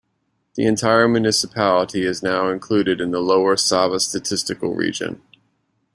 The entire municipality is now included in the Lower Sava Statistical Region.